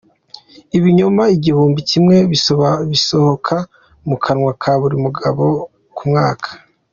Ibinyoma Igihumbi cyimwe bisohoka mu kanwa ka buri mugabo ku mwaka